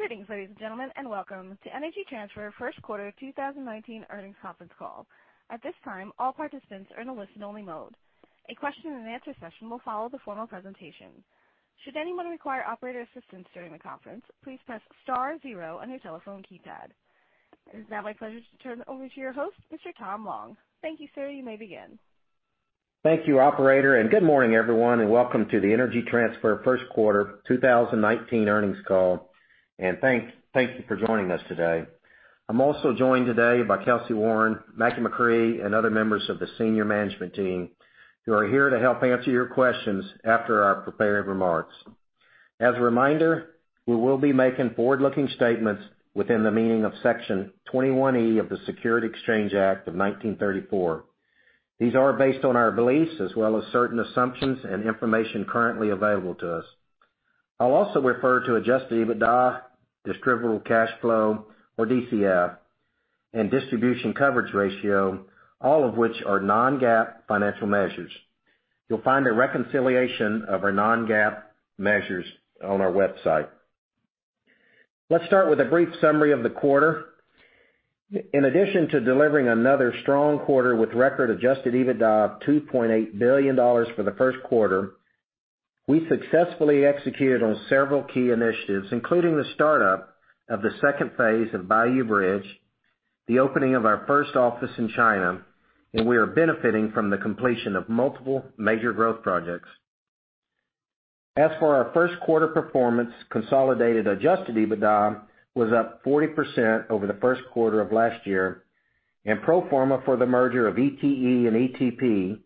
Greetings, ladies and gentlemen, and welcome to Energy Transfer first quarter 2019 earnings conference call. At this time, all participants are in a listen-only mode. A question and answer session will follow the formal presentation. Should anyone require operator assistance during the conference, please press star zero on your telephone keypad. It is now my pleasure to turn it over to your host, Mr. Tom Long. Thank you, sir. You may begin. Thank you, operator, good morning, everyone, and welcome to the Energy Transfer first quarter 2019 earnings call. Thank you for joining us today. I am also joined today by Kelcy Warren, Mackie McCrea, and other members of the senior management team who are here to help answer your questions after our prepared remarks. As a reminder, we will be making forward-looking statements within the meaning of Section 21E of the Securities Exchange Act of 1934. These are based on our beliefs as well as certain assumptions and information currently available to us. I will also refer to adjusted EBITDA, distributable cash flow or DCF, and distribution coverage ratio, all of which are non-GAAP financial measures. You will find a reconciliation of our non-GAAP measures on our website. Let us start with a brief summary of the quarter. In addition to delivering another strong quarter with record adjusted EBITDA of $2.8 billion for the first quarter, we successfully executed on several key initiatives, including the startup of the second phase of Bayou Bridge, the opening of our first office in China, and we are benefiting from the completion of multiple major growth projects. As for our first quarter performance, consolidated adjusted EBITDA was up 40% over the first quarter of last year. Pro forma for the merger of ETE and ETP,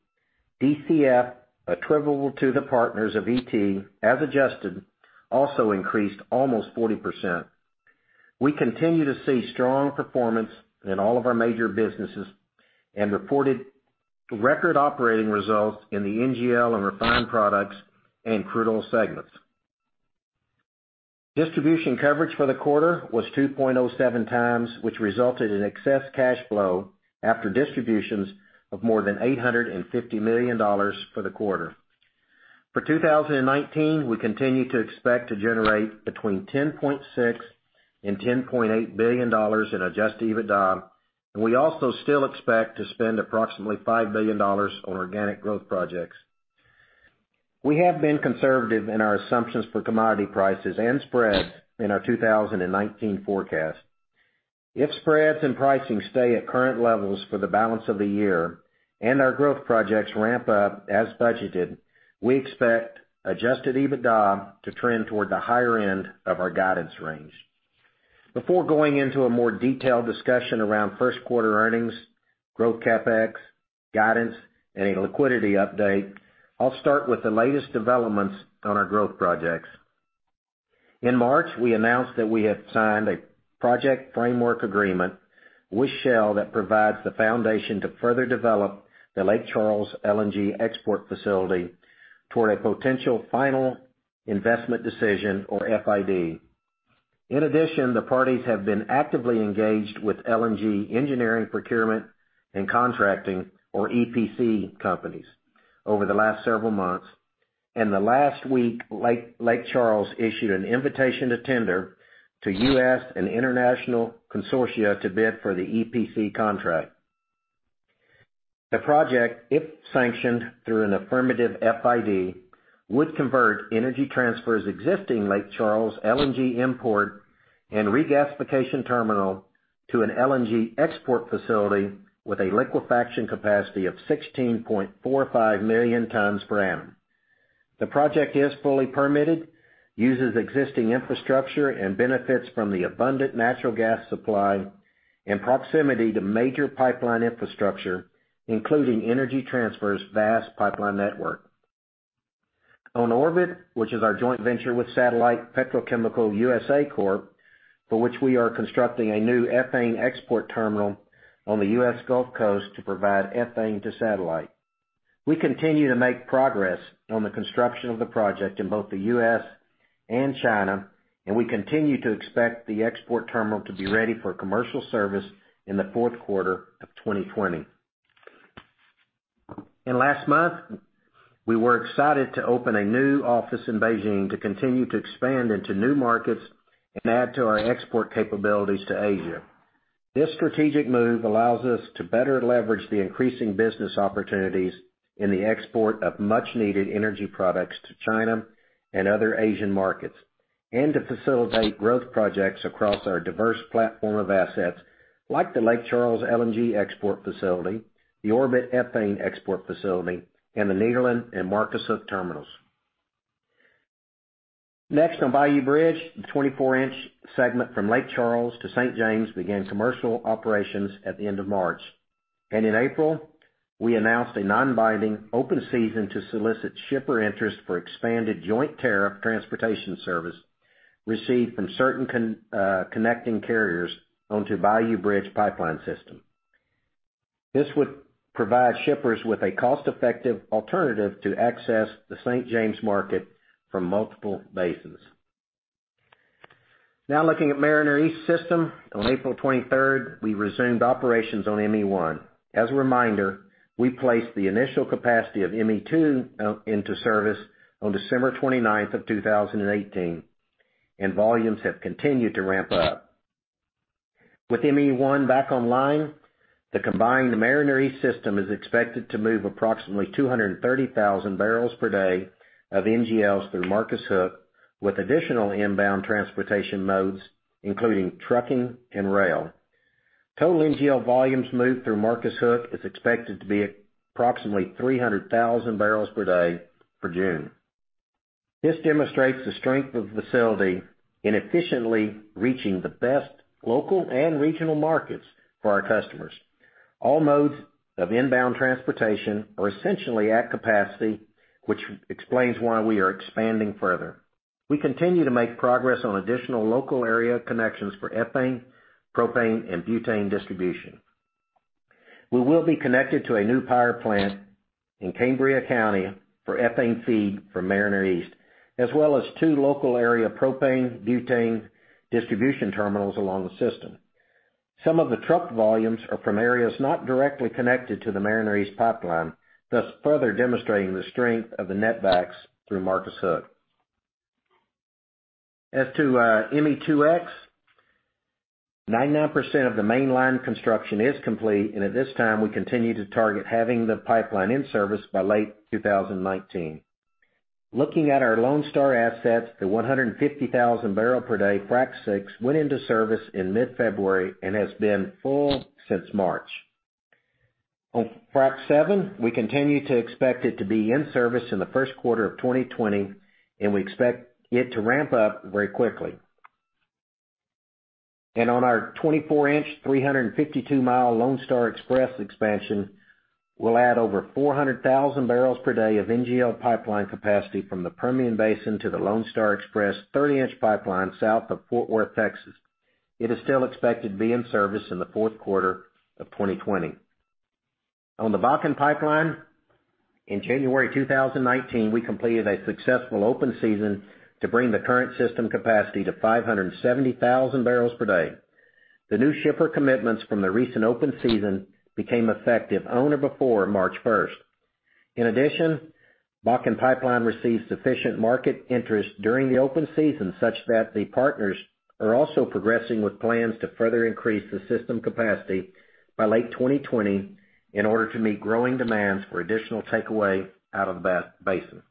DCF attributable to the partners of ET, as adjusted, also increased almost 40%. We continue to see strong performance in all of our major businesses and reported record operating results in the NGL and refined products and crude oil segments. Distribution coverage for the quarter was 2.07 times, which resulted in excess cash flow after distributions of more than $850 million for the quarter. For 2019, we continue to expect to generate between $10.6 billion and $10.8 billion in adjusted EBITDA, and we also still expect to spend approximately $5 billion on organic growth projects. We have been conservative in our assumptions for commodity prices and spreads in our 2019 forecast. If spreads and pricing stay at current levels for the balance of the year and our growth projects ramp up as budgeted, we expect adjusted EBITDA to trend toward the higher end of our guidance range. Before going into a more detailed discussion around first quarter earnings, growth CapEx, guidance, and a liquidity update, I will start with the latest developments on our growth projects. In March, we announced that we have signed a project framework agreement with Shell that provides the foundation to further develop the Lake Charles LNG export facility toward a potential final investment decision or FID. In addition, the parties have been actively engaged with LNG engineering, procurement, and contracting or EPC companies over the last several months. In the last week, Lake Charles issued an invitation to tender to U.S. and international consortia to bid for the EPC contract. The project, if sanctioned through an affirmative FID, would convert Energy Transfer's existing Lake Charles LNG import and regasification terminal to an LNG export facility with a liquefaction capacity of 16.45 million tons per annum. The project is fully permitted, uses existing infrastructure, and benefits from the abundant natural gas supply and proximity to major pipeline infrastructure, including Energy Transfer's vast pipeline network. On Orbit, which is our joint venture with Satellite Petrochemical USA Corp, for which we are constructing a new ethane export terminal on the U.S. Gulf Coast to provide ethane to Satellite. Last month, we were excited to open a new office in Beijing to continue to expand into new markets and add to our export capabilities to Asia. This strategic move allows us to better leverage the increasing business opportunities in the export of much-needed energy products to China and other Asian markets, and to facilitate growth projects across our diverse platform of assets like the Lake Charles LNG export facility, the Orbit ethane export facility, and the Nederland and Marcus Hook terminals. Next on Bayou Bridge, the 24-inch segment from Lake Charles to St. James began commercial operations at the end of March. In April, we announced a non-binding open season to solicit shipper interest for expanded joint tariff transportation service received from certain connecting carriers onto Bayou Bridge pipeline system. This would provide shippers with a cost-effective alternative to access the St. James market from multiple basins. Now looking at Mariner East system. On April 23rd, we resumed operations on ME1. As a reminder, we placed the initial capacity of ME2 into service on December 29th of 2018, and volumes have continued to ramp up. With ME1 back online, the combined Mariner East system is expected to move approximately 230,000 barrels per day of NGLs through Marcus Hook, with additional inbound transportation modes, including trucking and rail. Total NGL volumes moved through Marcus Hook is expected to be approximately 300,000 barrels per day for June. This demonstrates the strength of the facility in efficiently reaching the best local and regional markets for our customers. All modes of inbound transportation are essentially at capacity, which explains why we are expanding further. We continue to make progress on additional local area connections for ethane, propane, and butane distribution. We will be connected to a new power plant in Cambria County for ethane feed from Mariner East, as well as two local area propane, butane distribution terminals along the system. Some of the truck volumes are from areas not directly connected to the Mariner East pipeline, thus further demonstrating the strength of the net backs through Marcus Hook. As to ME2X, 99% of the mainline construction is complete, and at this time, we continue to target having the pipeline in service by late 2019. Looking at our Lone Star assets, the 150,000 barrel per day Frac VI went into service in mid-February and has been full since March. Frac VII, we continue to expect it to be in service in the first quarter of 2020, and we expect it to ramp up very quickly. On our 24-inch, 352-mile Lone Star Express expansion, we'll add over 400,000 barrels per day of NGL pipeline capacity from the Permian Basin to the Lone Star Express 30-inch pipeline south of Fort Worth, Texas. It is still expected to be in service in the fourth quarter of 2020. The Bakken Pipeline, in January 2019, we completed a successful open season to bring the current system capacity to 570,000 barrels per day. The new shipper commitments from the recent open season became effective on or before March 1st. In addition, Bakken Pipeline received sufficient market interest during the open season, such that the partners are also progressing with plans to further increase the system capacity by late 2020 in order to meet growing demands for additional takeaway out of the basin.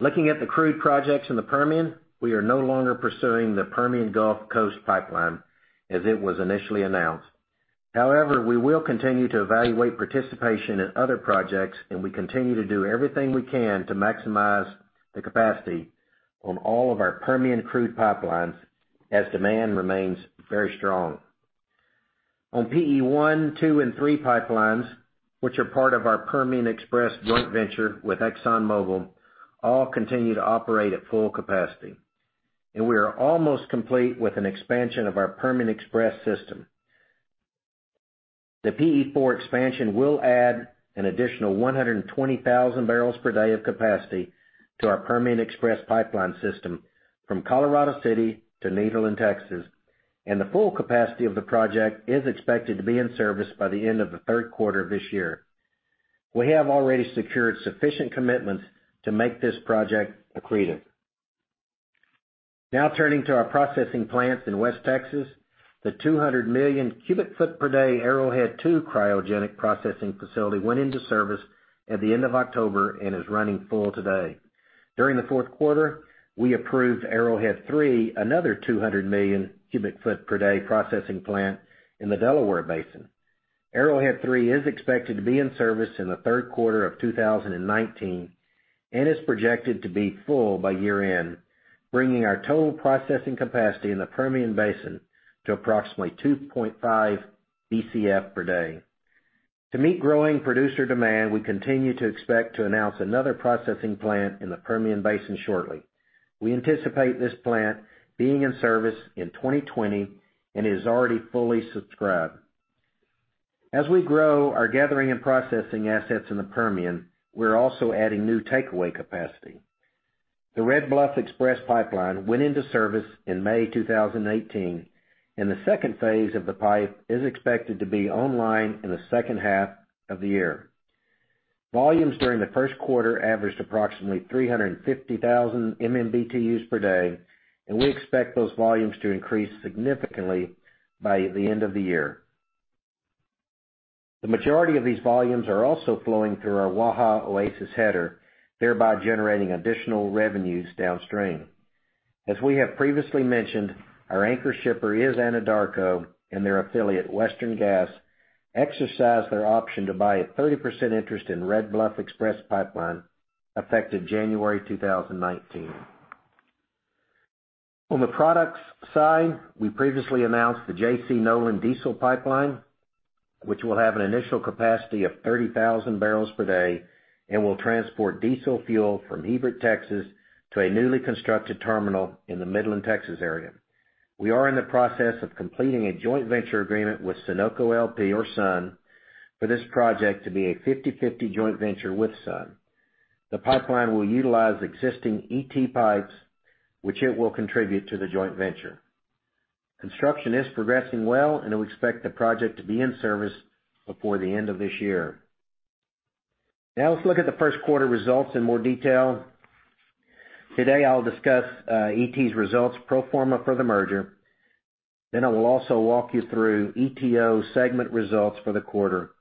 Looking at the crude projects in the Permian, we are no longer pursuing the Permian Gulf Coast Pipeline as it was initially announced. However, we will continue to evaluate participation in other projects, and we continue to do everything we can to maximize the capacity on all of our Permian crude pipelines as demand remains very strong. PE-1, 2 and 3 pipelines, which are part of our Permian Express joint venture with ExxonMobil, all continue to operate at full capacity. We are almost complete with an expansion of our Permian Express system. The PE-4 expansion will add an additional 120,000 barrels per day of capacity to our Permian Express pipeline system from Colorado City to Nederland, Texas, and the full capacity of the project is expected to be in service by the end of the third quarter of this year. We have already secured sufficient commitments to make this project accretive. Now turning to our processing plants in West Texas. The 200 million cubic foot per day Arrowhead II cryogenic processing facility went into service at the end of October and is running full today. During the fourth quarter, we approved Arrowhead III, another 200 million cubic foot per day processing plant in the Delaware Basin. Arrowhead III is expected to be in service in the third quarter of 2019 and is projected to be full by year-end, bringing our total processing capacity in the Permian Basin to approximately 2.5 BCF per day. To meet growing producer demand, we continue to expect to announce another processing plant in the Permian Basin shortly. We anticipate this plant being in service in 2020 and is already fully subscribed. As we grow our gathering and processing assets in the Permian, we're also adding new takeaway capacity. The Red Bluff Express pipeline went into service in May 2018, and the second phase of the pipe is expected to be online in the second half of the year. Volumes during the first quarter averaged approximately 350,000 MMBtus per day, and we expect those volumes to increase significantly by the end of the year. The majority of these volumes are also flowing through our Waha Oasis header, thereby generating additional revenues downstream. As we have previously mentioned, our anchor shipper is Anadarko, and their affiliate, Western Gas, exercised their option to buy a 30% interest in Red Bluff Express Pipeline, effective January 2019. On the products side, we previously announced the JC Nolan Pipeline, which will have an initial capacity of 30,000 barrels per day and will transport diesel fuel from Hebert, Texas, to a newly constructed terminal in the Midland, Texas, area. We are in the process of completing a joint venture agreement with Sunoco LP or SUN for this project to be a 50/50 joint venture with SUN. The pipeline will utilize existing ET pipes, which it will contribute to the joint venture. Construction is progressing well. We expect the project to be in service before the end of this year. Let's look at the first quarter results in more detail. Today, I'll discuss ET's results pro forma for the merger. I will also walk you through ETO segment results for the quarter.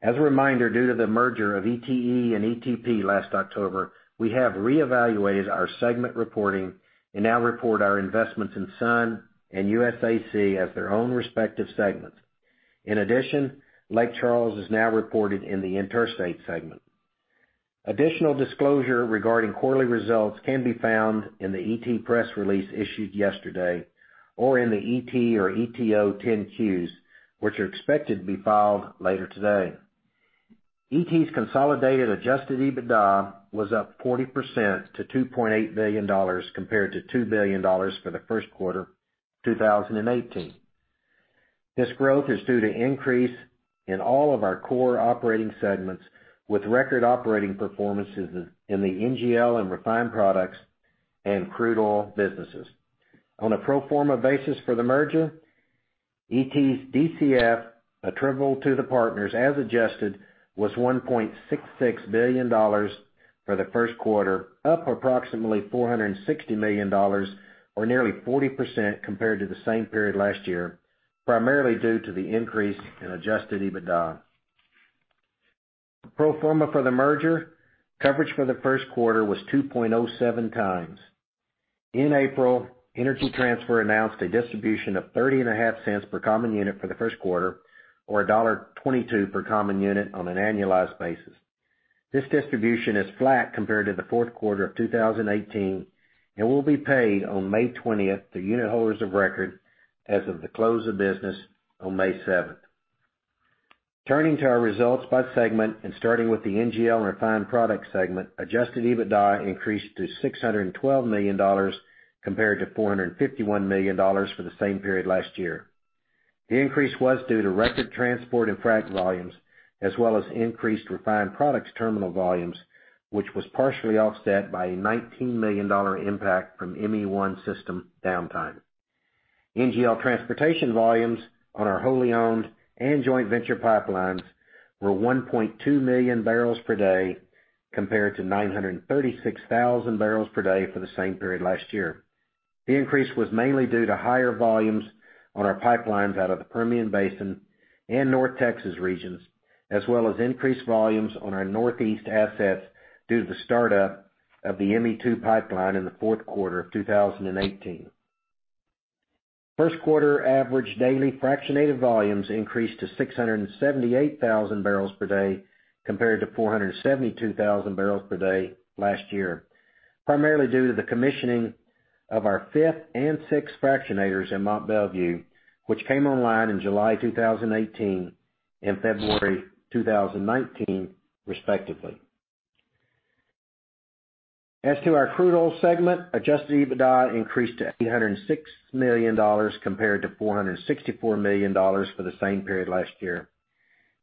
As a reminder, due to the merger of ETE and ETP last October, we have reevaluated our segment reporting and now report our investments in SUN and USAC as their own respective segments. In addition, Lake Charles is now reported in the interstate segment. Additional disclosure regarding quarterly results can be found in the ET press release issued yesterday, or in the ET or ETO 10-Qs, which are expected to be filed later today. ET's consolidated adjusted EBITDA was up 40% to $2.8 billion compared to $2 billion for the first quarter 2018. This growth is due to increase in all of our core operating segments with record operating performances in the NGL and refined products and crude oil businesses. On a pro forma basis for the merger, ET's DCF attributable to the partners as adjusted was $1.66 billion for the first quarter, up approximately $460 million or nearly 40% compared to the same period last year, primarily due to the increase in adjusted EBITDA. Pro forma for the merger, coverage for the first quarter was 2.07 times. In April, Energy Transfer announced a distribution of $0.305 per common unit for the first quarter, or $1.22 per common unit on an annualized basis. This distribution is flat compared to the fourth quarter of 2018 and will be paid on May 20th to unit holders of record as of the close of business on May 7th. Turning to our results by segment. Starting with the NGL and refined products segment, adjusted EBITDA increased to $612 million compared to $451 million for the same period last year. The increase was due to record transport and frac volumes, as well as increased refined products terminal volumes, which was partially offset by a $19 million impact from ME1 system downtime. NGL transportation volumes on our wholly owned and joint venture pipelines were 1.2 million barrels per day, compared to 936,000 barrels per day for the same period last year. The increase was mainly due to higher volumes on our pipelines out of the Permian Basin and North Texas regions, as well as increased volumes on our Northeast assets due to the start-up of the ME2 pipeline in the fourth quarter of 2018. First quarter average daily fractionated volumes increased to 678,000 barrels per day compared to 472,000 barrels per day last year, primarily due to the commissioning of our fifth and sixth fractionators in Mont Belvieu, which came online in July 2018 and February 2019, respectively. As to our crude oil segment, adjusted EBITDA increased to $806 million compared to $464 million for the same period last year.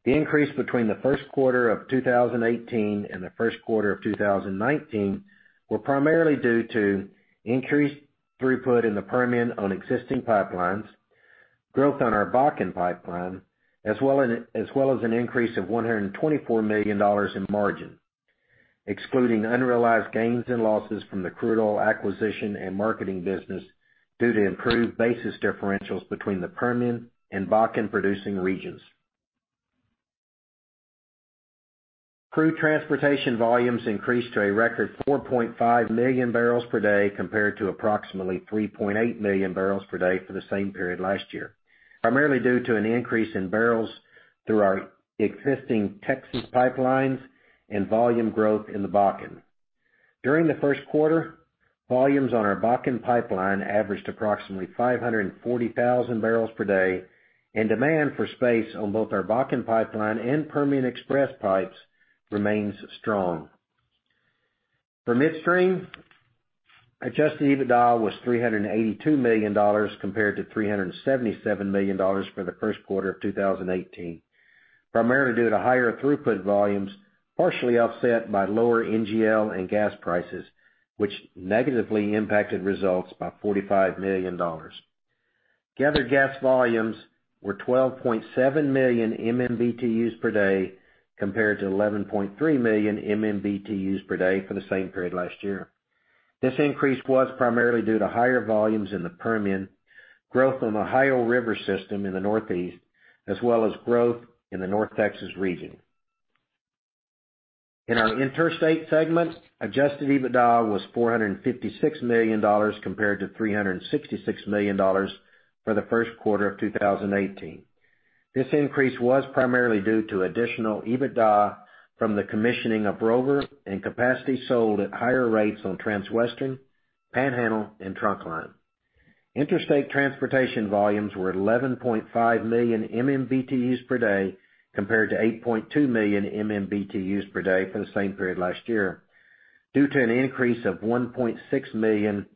The increase between the first quarter of 2018 and the first quarter of 2019 were primarily due to increased throughput in the Permian on existing pipelines, growth on our Bakken Pipeline, as well as an increase of $124 million in margin, excluding unrealized gains and losses from the crude oil acquisition and marketing business due to improved basis differentials between the Permian and Bakken producing regions. Crude transportation volumes increased to a record 4.5 million barrels per day compared to approximately 3.8 million barrels per day for the same period last year, primarily due to an increase in barrels through our existing Texas pipelines and volume growth in the Bakken. During the first quarter, volumes on our Bakken Pipeline averaged approximately 540,000 barrels per day, and demand for space on both our Bakken Pipeline and Permian Express pipes remains strong. For midstream, adjusted EBITDA was $382 million compared to $377 million for the first quarter of 2018, primarily due to higher throughput volumes, partially offset by lower NGL and gas prices, which negatively impacted results by $45 million. Gathered gas volumes were 12.7 million MMBtus per day, compared to 11.3 million MMBtus per day for the same period last year. This increase was primarily due to higher volumes in the Permian, growth on the Ohio River system in the Northeast, as well as growth in the North Texas region. In our interstate segment, adjusted EBITDA was $456 million compared to $366 million for the first quarter of 2018. This increase was primarily due to additional EBITDA from the commissioning of Rover and capacity sold at higher rates on Transwestern, Panhandle, and Trunkline. Interstate transportation volumes were 11.5 million MMBtus per day compared to 8.2 million MMBtus per day for the same period last year, due to an increase of 1.6 million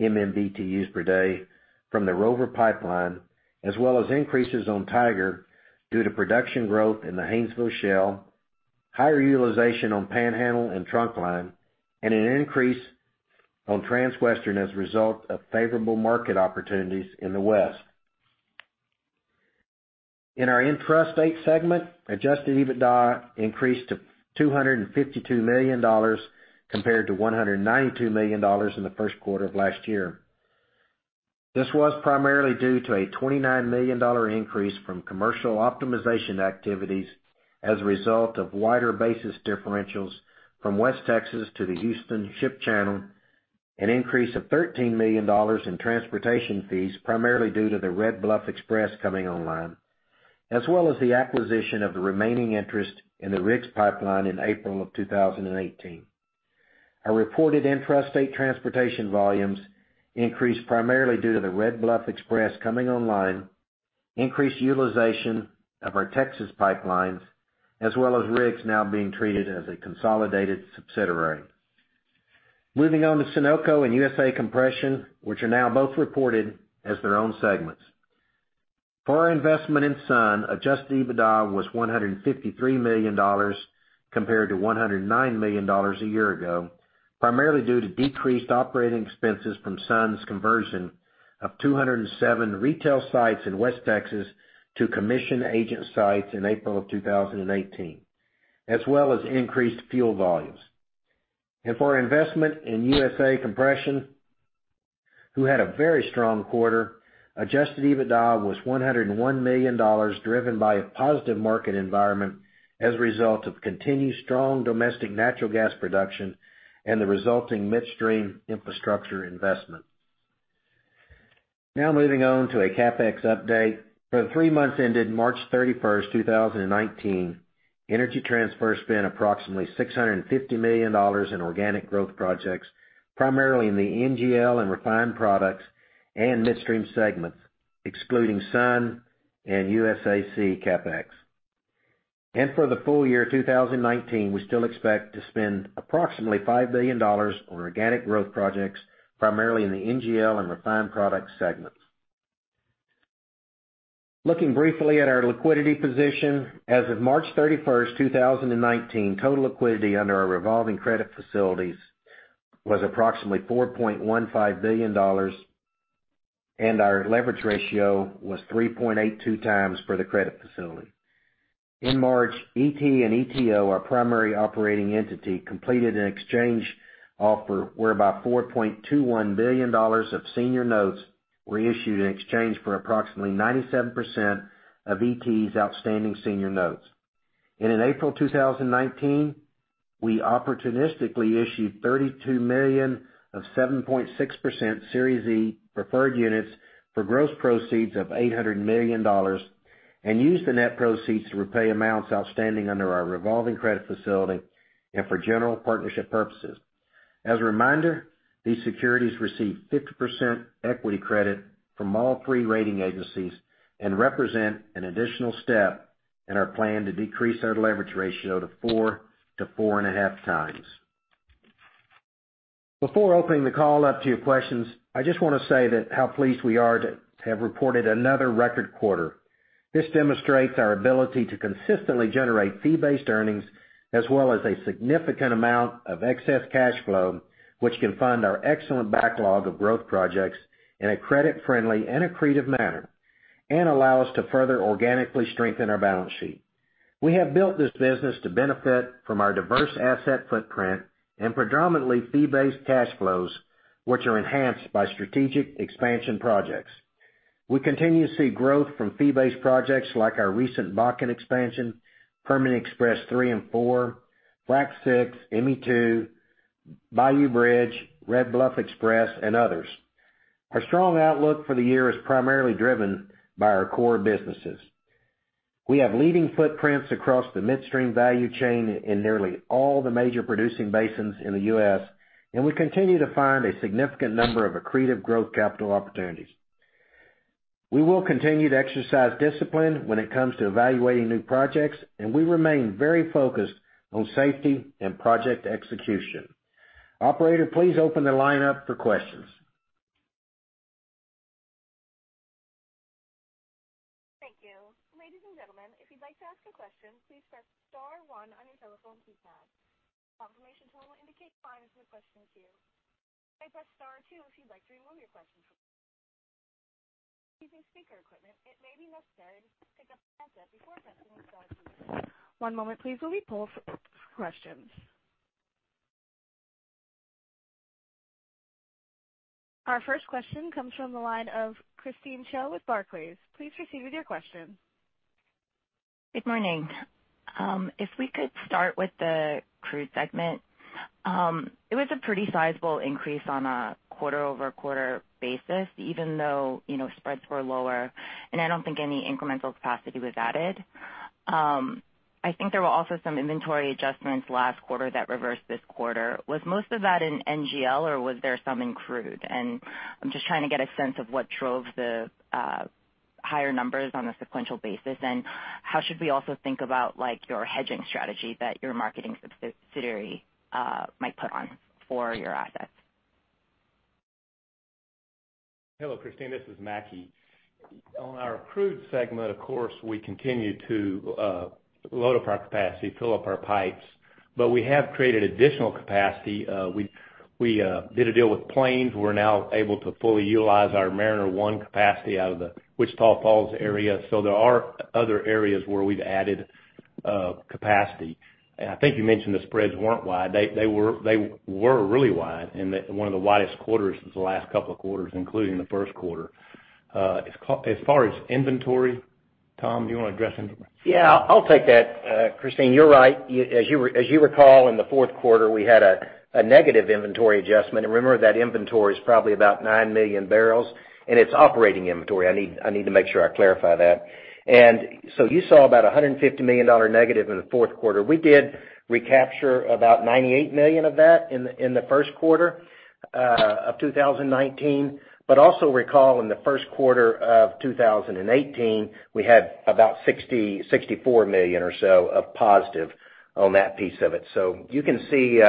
MMBtus per day from the Rover Pipeline as well as increases on Tiger due to production growth in the Haynesville Shale, higher utilization on Panhandle and Trunkline, and an increase on Transwestern as a result of favorable market opportunities in the West. In our Intrastate segment, adjusted EBITDA increased to $252 million compared to $192 million in the first quarter of last year. This was primarily due to a $29 million increase from commercial optimization activities as a result of wider basis differentials from West Texas to the Houston Ship Channel, an increase of $13 million in transportation fees, primarily due to the Red Bluff Express coming online, as well as the acquisition of the remaining interest in the RIGS pipeline in April of 2018. Our reported intrastate transportation volumes increased primarily due to the Red Bluff Express coming online, increased utilization of our Texas pipelines, as well as RIGS now being treated as a consolidated subsidiary. Moving on to Sunoco and USA Compression, which are now both reported as their own segments. For our investment in SUN, adjusted EBITDA was $153 million compared to $109 million a year ago, primarily due to decreased operating expenses from SUN's conversion of 207 retail sites in West Texas to commission agent sites in April of 2018, as well as increased fuel volumes. For our investment in USA Compression, who had a very strong quarter, adjusted EBITDA was $101 million, driven by a positive market environment as a result of continued strong domestic natural gas production and the resulting midstream infrastructure investment. Moving on to a CapEx update. For the three months ended March 31st, 2019, Energy Transfer spent approximately $650 million in organic growth projects, primarily in the NGL and refined products and midstream segments, excluding SUN and USAC CapEx. For the full year 2019, we still expect to spend approximately $5 billion on organic growth projects, primarily in the NGL and refined products segments. Looking briefly at our liquidity position. As of March 31st, 2019, total liquidity under our revolving credit facilities was approximately $4.15 billion, and our leverage ratio was 3.82 times for the credit facility. In March, ET and ETO, our primary operating entity, completed an exchange offer whereby $4.21 billion of senior notes were issued in exchange for approximately 97% of ET's outstanding senior notes. In April 2019, we opportunistically issued 32 million of 7.6% Series E preferred units for gross proceeds of $800 million and used the net proceeds to repay amounts outstanding under our revolving credit facility and for general partnership purposes. As a reminder, these securities receive 50% equity credit from all three rating agencies and represent an additional step in our plan to decrease our leverage ratio to four to four and a half times. Before opening the call up to your questions, I just want to say how pleased we are to have reported another record quarter. This demonstrates our ability to consistently generate fee-based earnings as well as a significant amount of excess cash flow, which can fund our excellent backlog of growth projects in a credit-friendly and accretive manner and allow us to further organically strengthen our balance sheet. We have built this business to benefit from our diverse asset footprint and predominantly fee-based cash flows, which are enhanced by strategic expansion projects. We continue to see growth from fee-based projects like our recent Bakken expansion, Permian Express 3 and 4, Frac VI, ME2, Bayou Bridge, Red Bluff Express, and others. Our strong outlook for the year is primarily driven by our core businesses. We have leading footprints across the midstream value chain in nearly all the major producing basins in the U.S., and we continue to find a significant number of accretive growth capital opportunities. We will continue to exercise discipline when it comes to evaluating new projects, and we remain very focused on safety and project execution. Operator, please open the line up for questions. Thank you. Ladies and gentlemen, if you'd like to ask a question, please press *1 on your telephone keypad. A confirmation tone will indicate a line is being sent to you. Please press *2 if you'd like to remove your question. If you're using speaker equipment, it may be necessary to pick up the headset before pressing *2. One moment please while we pull for questions. Our first question comes from the line of Theresa Chen with Barclays. Please proceed with your question. Good morning. If we could start with the crude segment. It was a pretty sizable increase on a quarter-over-quarter basis, even though spreads were lower, I don't think any incremental capacity was added. I think there were also some inventory adjustments last quarter that reversed this quarter. Was most of that in NGL, or was there some in crude? I'm just trying to get a sense of what drove the higher numbers on a sequential basis. How should we also think about your hedging strategy that your marketing subsidiary might put on for your assets? Hello, Theresa. This is Mackie. On our crude segment, of course, we continue to load up our capacity, fill up our pipes. We have created additional capacity. We We did a deal with Plains. We're now able to fully utilize our Mariner East 1 capacity out of the Wichita Falls area. There are other areas where we've added capacity. I think you mentioned the spreads weren't wide. They were really wide, and one of the widest quarters was the last couple of quarters, including the first quarter. As far as inventory, Tom, do you want to address inventory? Yeah, I'll take that. Theresa, you're right. As you recall, in the fourth quarter, we had a negative inventory adjustment. Remember that inventory is probably about 9 million barrels, and it's operating inventory. I need to make sure I clarify that. You saw about $150 million negative in the fourth quarter. We did recapture about $98 million of that in the first quarter of 2019. Also recall in the first quarter of 2018, we had about $64 million or so of positive on that piece of it. You can see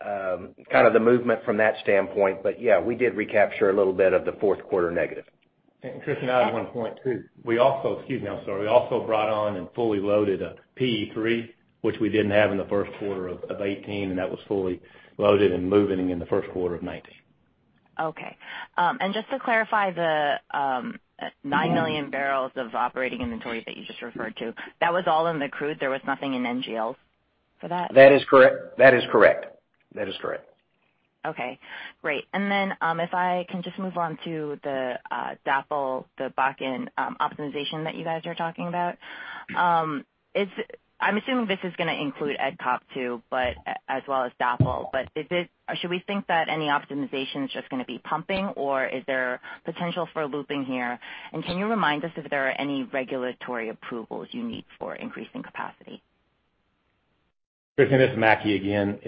kind of the movement from that standpoint. Yeah, we did recapture a little bit of the fourth quarter negative. Theresa, I add one point, too. We also brought on and fully loaded a P3, which we didn't have in the first quarter of 2018, and that was fully loaded and moving in the first quarter of 2019. Okay. Just to clarify, the 9 million barrels of operating inventory that you just referred to, that was all in the crude. There was nothing in NGLs for that? That is correct. If I can just move on to the DAPL, the Bakken optimization that you guys are talking about. I'm assuming this is going to include ETCOP too, as well as DAPL. Should we think that any optimization is just going to be pumping, or is there potential for looping here? Can you remind us if there are any regulatory approvals you need for increasing capacity? Theresa, this is Mackie again.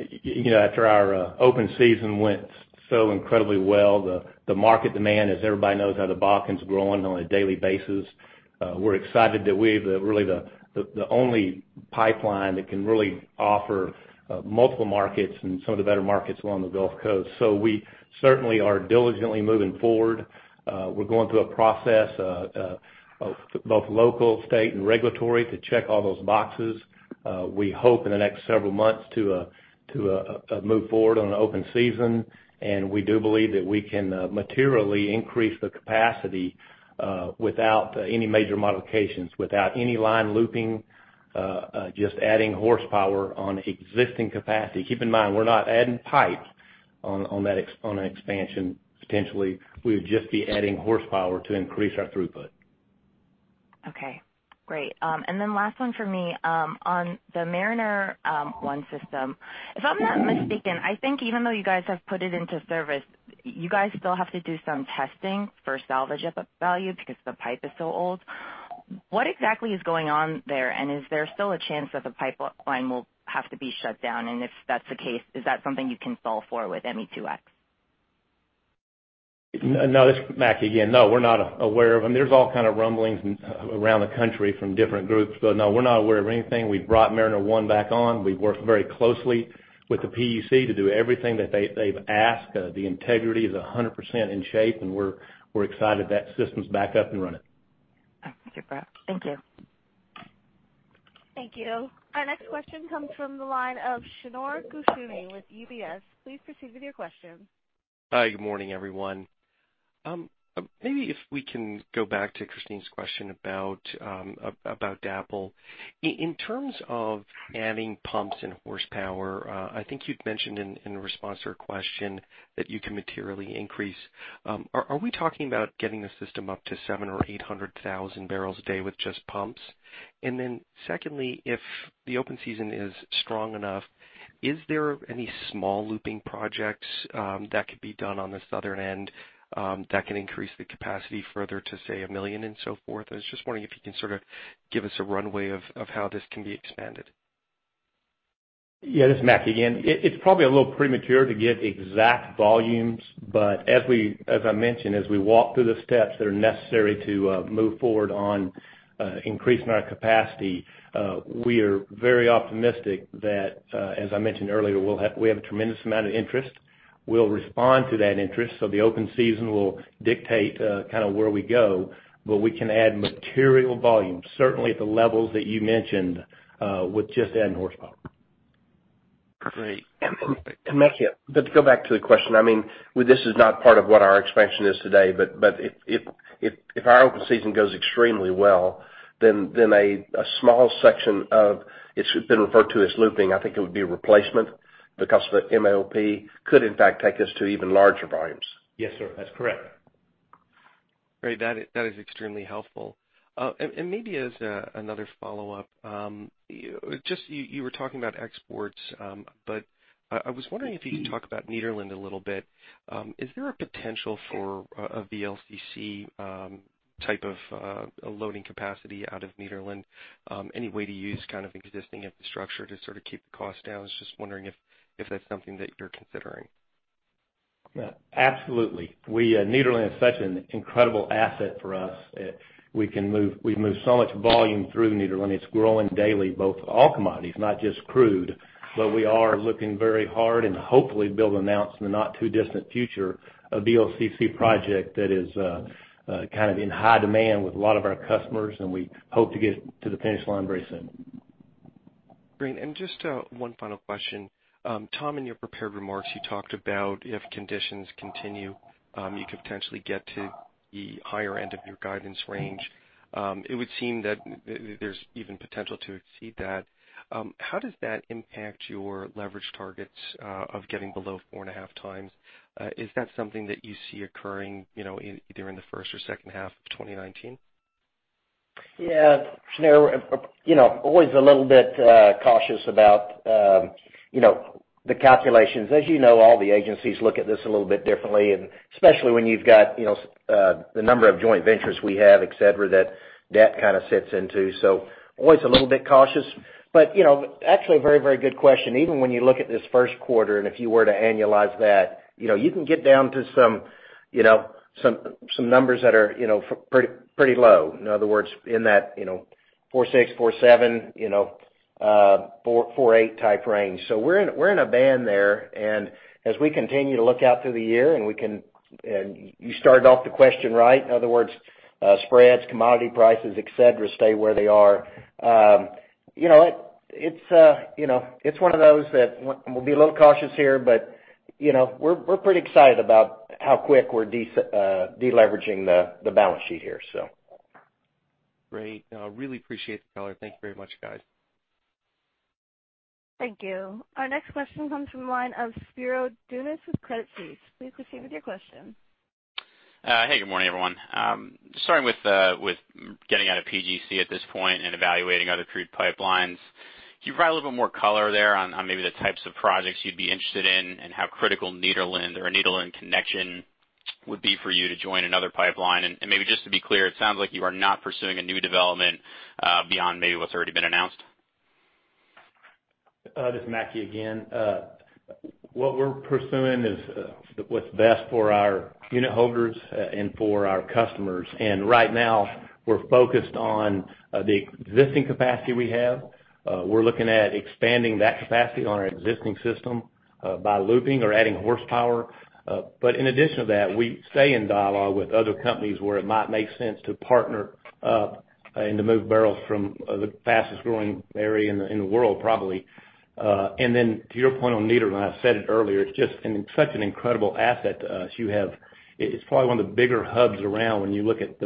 After our open season went so incredibly well, the market demand, as everybody knows, how the Bakken's growing on a daily basis, we're excited that we're really the only pipeline that can really offer multiple markets and some of the better markets along the Gulf Coast. We certainly are diligently moving forward. We're going through a process of both local, state, and regulatory to check all those boxes. We hope in the next several months to move forward on open season. We do believe that we can materially increase the capacity without any major modifications, without any line looping, just adding horsepower on existing capacity. Keep in mind, we're not adding pipes on an expansion, potentially. We would just be adding horsepower to increase our throughput. Okay, great. Last one for me. On the Mariner East 1 system, if I'm not mistaken, I think even though you guys have put it into service, you guys still have to do some testing for salvage value because the pipe is so old. What exactly is going on there? Is there still a chance that the pipeline will have to be shut down? If that's the case, is that something you can solve for with ME2X? No, this is Mackie again. No, we're not aware of them. There's all kind of rumblings around the country from different groups, but no, we're not aware of anything. We've brought Mariner East 1 back on. We've worked very closely with the PUC to do everything that they've asked. The integrity is 100% in shape. We're excited that system's back up and running. Super. Thank you. Thank you. Our next question comes from the line of Shneur Gershuni with UBS. Please proceed with your question. Hi. Good morning, everyone. Maybe if we can go back to Theresa's question about DAPL. In terms of adding pumps and horsepower, I think you'd mentioned in response to her question that you can materially increase. Are we talking about getting the system up to 700,000 or 800,000 barrels a day with just pumps? Then secondly, if the open season is strong enough, is there any small looping projects that could be done on the southern end that can increase the capacity further to, say, 1 million and so forth? I was just wondering if you can sort of give us a runway of how this can be expanded. This is Mackie again. It's probably a little premature to give exact volumes, as I mentioned, as we walk through the steps that are necessary to move forward on increasing our capacity, we are very optimistic that, as I mentioned earlier, we have a tremendous amount of interest. We'll respond to that interest. The open season will dictate kind of where we go, but we can add material volume, certainly at the levels that you mentioned, with just adding horsepower. Great. Mackie, to go back to the question, I mean, this is not part of what our expansion is today, if our open season goes extremely well, it's been referred to as looping. I think it would be a replacement because the MLP could in fact take us to even larger volumes. Yes, sir. That's correct. Great. That is extremely helpful. Maybe as another follow-up, just you were talking about exports, I was wondering if you could talk about Nederland a little bit. Is there a potential for a VLCC type of loading capacity out of Nederland? Any way to use kind of existing infrastructure to sort of keep the cost down? I was just wondering if that's something that you're considering. Yeah, absolutely. Nederland is such an incredible asset for us. We move so much volume through Nederland. It's growing daily, both all commodities, not just crude. We are looking very hard and hopefully be able to announce in the not too distant future a VLCC project that is kind of in high demand with a lot of our customers, and we hope to get to the finish line very soon. Great. Just one final question. Tom, in your prepared remarks, you talked about if conditions continue, you could potentially get to the higher end of your guidance range. It would seem that there's even potential to exceed that. How does that impact your leverage targets of getting below four and a half times? Is that something that you see occurring either in the first or second half of 2019? Yeah. Always a little bit cautious about the calculations. As you know, all the agencies look at this a little bit differently, especially when you've got the number of joint ventures we have, et cetera, that that kind of sits into. Always a little bit cautious, but actually a very good question. Even when you look at this first quarter, and if you were to annualize that, you can get down to some numbers that are pretty low. In other words, in that 4.6, 4.7, 4.8 type range. We're in a band there, and as we continue to look out through the year, you started off the question right, in other words, spreads, commodity prices, et cetera, stay where they are. It's one of those that we'll be a little cautious here. We're pretty excited about how quick we're de-leveraging the balance sheet here. Great. Really appreciate the color. Thank you very much, guys. Thank you. Our next question comes from the line of Spiro Dounis with Credit Suisse. Please proceed with your question. Good morning, everyone. Just starting with getting out of PGC at this point and evaluating other crude pipelines. Can you provide a little bit more color there on maybe the types of projects you'd be interested in and how critical Nederland or Nederland connection would be for you to join another pipeline? Maybe just to be clear, it sounds like you are not pursuing a new development beyond maybe what's already been announced. This is Mackie again. What we're pursuing is what's best for our unitholders and for our customers. Right now, we're focused on the existing capacity we have. We're looking at expanding that capacity on our existing system by looping or adding horsepower. In addition to that, we stay in dialogue with other companies where it might make sense to partner up and to move barrels from the fastest growing area in the world, probably. Then to your point on Nederland, I said it earlier, it's just such an incredible asset to us. It's probably one of the bigger hubs around when you look at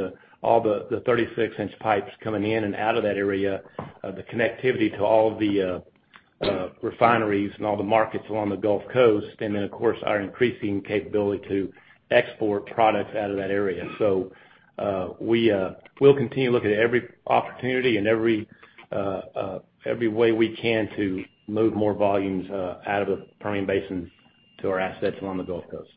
all the 36-inch pipes coming in and out of that area, the connectivity to all of the refineries and all the markets along the Gulf Coast, and then, of course, our increasing capability to export products out of that area. We'll continue to look at every opportunity and every way we can to move more volumes out of the Permian Basin to our assets along the Gulf Coast.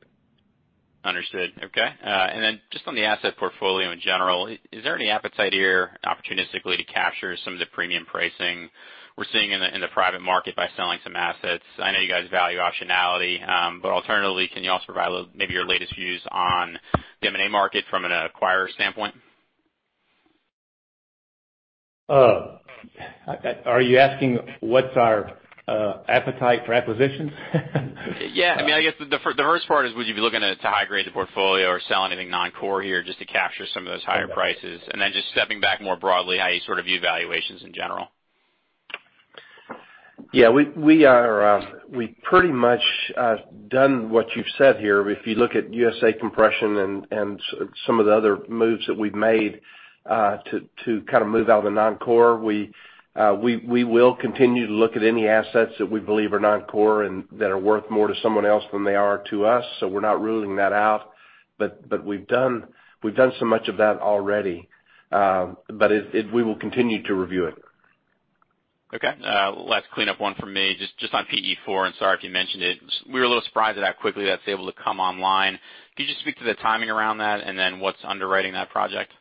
Understood. Okay. Then just on the asset portfolio in general, is there any appetite here opportunistically to capture some of the premium pricing we're seeing in the private market by selling some assets? I know you guys value optionality. Alternatively, can you also provide maybe your latest views on the M&A market from an acquirer standpoint? Are you asking what's our appetite for acquisitions? Yeah. I guess the first part is, would you be looking to high-grade the portfolio or sell anything non-core here just to capture some of those higher prices? Then just stepping back more broadly, how you sort of view valuations in general. We pretty much done what you've said here. If you look at USA Compression and some of the other moves that we've made to kind of move out of the non-core. We will continue to look at any assets that we believe are non-core and that are worth more to someone else than they are to us. We're not ruling that out. We've done so much of that already. We will continue to review it. Last cleanup one for me, just on PE4, and sorry if you mentioned it. We were a little surprised at how quickly that's able to come online. Could you just speak to the timing around that and what's underwriting that project?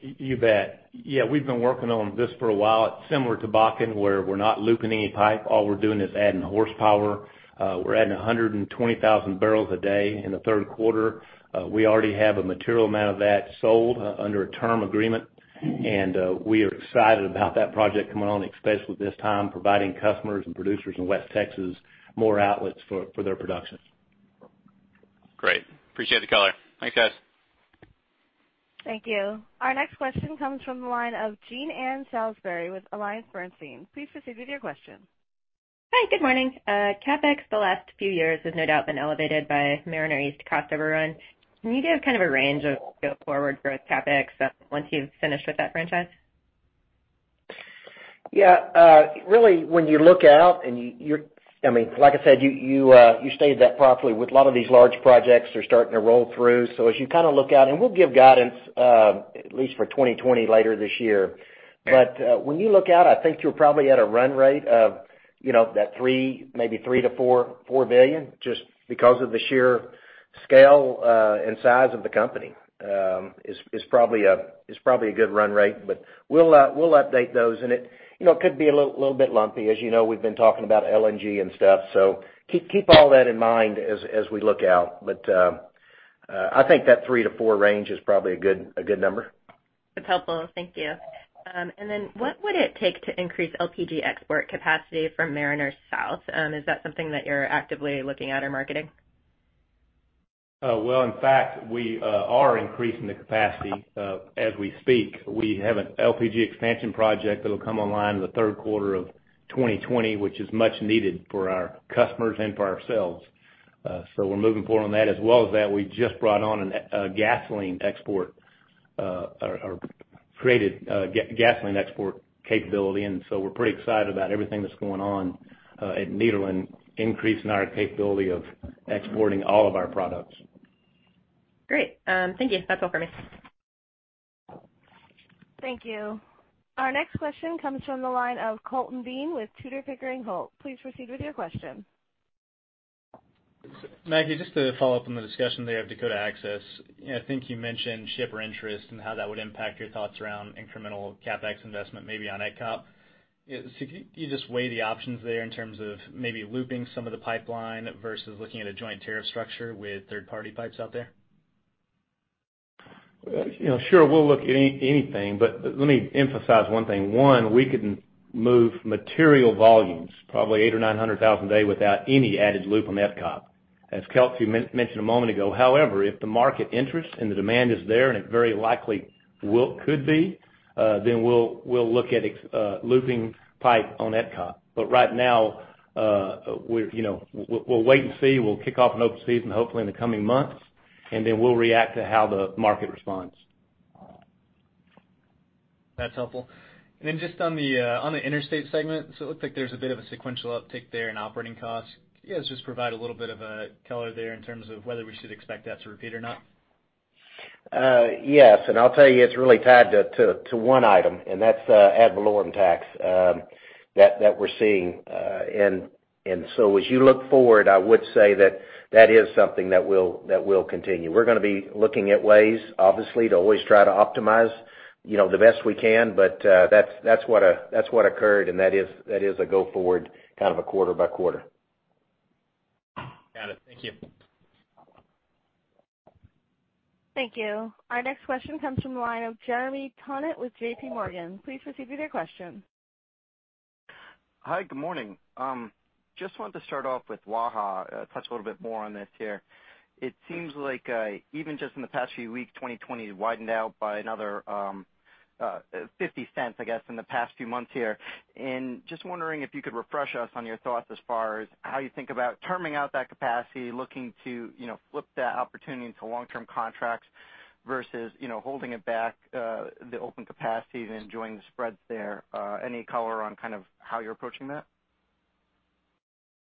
You bet. We've been working on this for a while. It's similar to Bakken, where we're not looping any pipe. All we're doing is adding horsepower. We're adding 120,000 barrels a day in the third quarter. We already have a material amount of that sold under a term agreement, we are excited about that project coming on, especially this time, providing customers and producers in West Texas more outlets for their production. Great. Appreciate the color. Thanks, guys. Thank you. Our next question comes from the line of Jean Ann Salisbury with AllianceBernstein. Please proceed with your question. Hi, good morning. CapEx the last few years has no doubt been elevated by Mariner East crossover run. Can you give kind of a range of go forward growth CapEx once you've finished with that franchise? Yeah. Really, when you look out, like I said, you stated that properly, with a lot of these large projects are starting to roll through. As you kind of look out, we'll give guidance at least for 2020 later this year. When you look out, I think you're probably at a run rate of that $3 billion, maybe $3 billion-$4 billion, just because of the sheer scale and size of the company. It's probably a good run rate, but we'll update those. It could be a little bit lumpy. As you know, we've been talking about LNG and stuff. Keep all that in mind as we look out. I think that three to four range is probably a good number. That's helpful. Thank you. What would it take to increase LPG export capacity from Mariner South? Is that something that you're actively looking at or marketing? In fact, we are increasing the capacity as we speak. We have an LPG expansion project that'll come online in the third quarter of 2020, which is much needed for our customers and for ourselves. We're moving forward on that. As well as that, we just brought on a gasoline export, or created a gasoline export capability. We're pretty excited about everything that's going on at Nederland, increasing our capability of exporting all of our products. Great. Thank you. That's all for me. Thank you. Our next question comes from the line of Colton Bean with Tudor, Pickering, Holt & Co. Please proceed with your question. Mackie, just to follow up on the discussion there of Dakota Access. I think you mentioned shipper interest and how that would impact your thoughts around incremental CapEx investment, maybe on ETCOP. Could you just weigh the options there in terms of maybe looping some of the pipeline versus looking at a joint tariff structure with third-party pipes out there? Sure, we'll look at anything, but let me emphasize one thing. One, we can move material volumes, probably 800,000 or 900,000 a day without any added loop on ETCOP. As Kelcy mentioned a moment ago, however, if the market interest and the demand is there, and it very likely could be, we'll look at looping pipe on ETCOP. Right now, we'll wait and see. We'll kick off an open season, hopefully in the coming months, we'll react to how the market responds. That's helpful. Just on the interstate segment, it looked like there's a bit of a sequential uptick there in operating costs. Can you guys just provide a little bit of a color there in terms of whether we should expect that to repeat or not? Yes. I'll tell you, it's really tied to one item, and that's ad valorem tax that we're seeing. As you look forward, I would say that that is something that will continue. We're going to be looking at ways, obviously, to always try to optimize the best we can. That's what occurred, and that is a go forward kind of a quarter by quarter. Got it. Thank you. Thank you. Our next question comes from the line of Jeremy Tonet with J.P. Morgan. Please proceed with your question. Hi, good morning. Just wanted to start off with Waha, touch a little bit more on this here. It seems like even just in the past few weeks, 2020 has widened out by another $0.50, I guess, in the past few months here. Just wondering if you could refresh us on your thoughts as far as how you think about terming out that capacity, looking to flip that opportunity into long-term contracts versus holding it back, the open capacity and enjoying the spreads there. Any color on kind of how you're approaching that?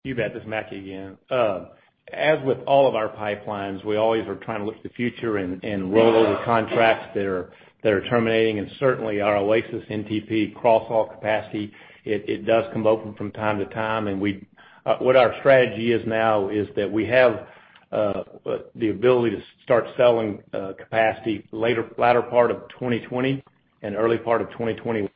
You bet. This is Mackie McCrea again. As with all of our pipelines, we always are trying to look to the future and roll over contracts that are terminating. Certainly our Oasis NTP cross-haul capacity, it does come open from time to time. What our strategy is now is that we have the ability to start selling capacity latter part of 2020 and early part of 2021,